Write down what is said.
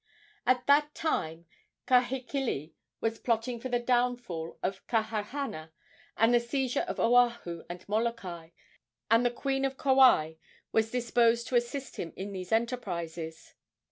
At that time Kahekili was plotting for the downfall of Kahahana and the seizure of Oahu and Molokai, and the queen of Kauai was disposed to assist him in these enterprises.